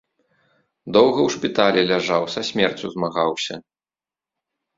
Доўга ў шпіталі ляжаў, са смерцю змагаўся.